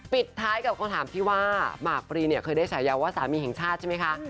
ปิดท้ายกับคำถามที่ว่าหมากปรีเนี่ยเคยได้ฉายาว่าสามีแห่งชาติใช่ไหมคะ